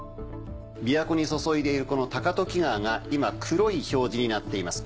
琵琶湖に注いでいるこの高時川が今黒い表示になっています。